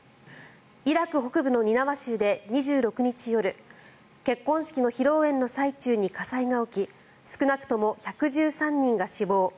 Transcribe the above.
イラク北部のニナワ州で２６日夜結婚式の披露宴の最中に火災が起き少なくとも１１３人が死亡。